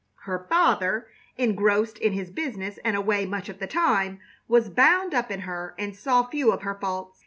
Her father, engrossed in his business and away much of the time, was bound up in her and saw few of her faults.